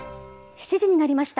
７時になりました。